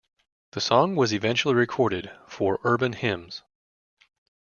The song was eventually recorded for "Urban Hymns".